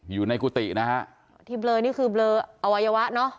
กุฏินะฮะที่เบลอนี่คือเบลออวัยวะเนอะ